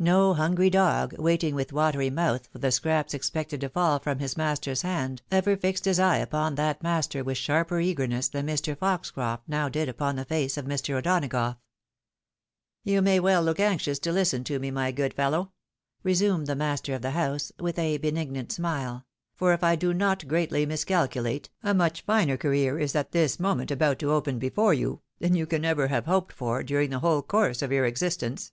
No hungry dog, waiting with watery mouth for the scraps expected to fall from his master's hand, ever fixed his eye upon that master with sharper eagerness than Mr. Foxcroft now did upon the face of Mr. O'Donagough. " You may well look anxious to hsten to me, my good fellow," resumed the master of the house, with a benignant smile, " for if I do not greatly miscalculate, a much finer career is at this moment about to open before you, than you can ever have hoped for, during the whole course of your existence.